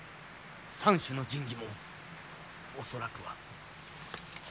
三種の神器も恐らくは。